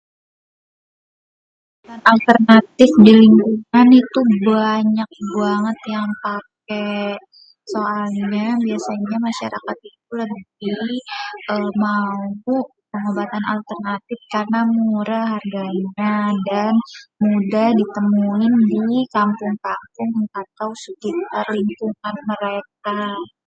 Alternatif di lingkungan itu banyak banget yang paké. Soalnya biasanya masyarakat itu lebih mau pengobatan alternatif karena mureh harganya dan mudah ditemuin di kampung-kampung atau sekitar lingkungan mereka.